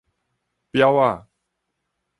婊仔